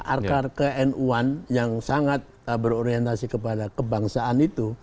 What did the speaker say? akar knu an yang sangat berorientasi kepada kebangsaan itu